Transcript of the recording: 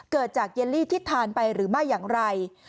เกิดจากเยลลี่ที่ทานไปหรือไม่อย่างไร